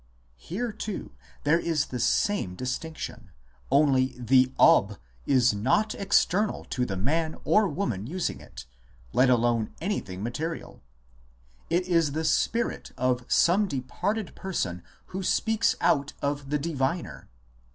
; here, too, there is the same distinction, only the Ob is not external to the man or woman using it, let alone anything material ; it is the spirit of some departed person who speaks out of the diviner.